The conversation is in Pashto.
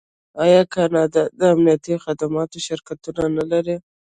آیا کاناډا د امنیتي خدماتو شرکتونه نلري؟